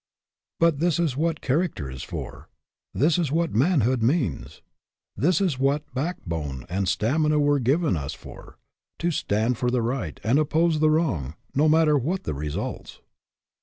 But this is what character is for. This is what manhood means. This is what backbone and stamina were given us for, to stand for the right and oppose the wrong, no matter what the results.